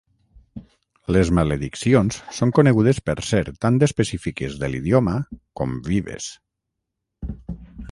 Les malediccions són conegudes per ser tant específiques de l"idioma com vives.